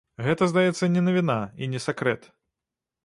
Гэта, здаецца, не навіна і не сакрэт.